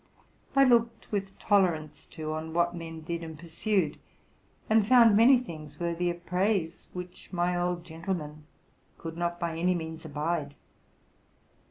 I looked with tolerance, too, on what men did and pursued, and found many things worthy of praise which my old gentle man could not by any means abide.